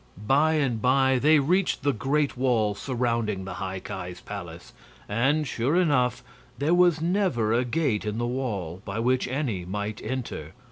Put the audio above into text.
By and by they reached the great wall surrounding the High Ki's palace, and, sure enough, there was never a gate in the wall by which any might enter.